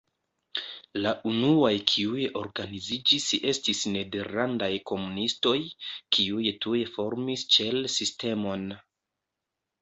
La unuaj kiuj organiziĝis estis nederlandaj komunistoj, kiuj tuj formis ĉel-sistemon.